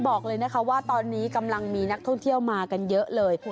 บอกเลยนะคะว่าตอนนี้กำลังมีนักท่องเที่ยวมากันเยอะเลย